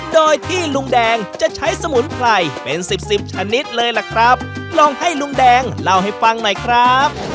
โดยที่ลุงแดงจะใช้สมุนไพรเป็นสิบสิบชนิดเลยล่ะครับลองให้ลุงแดงเล่าให้ฟังหน่อยครับ